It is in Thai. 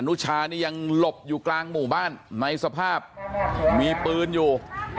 นุชานี่ยังหลบอยู่กลางหมู่บ้านในสภาพมีปืนอยู่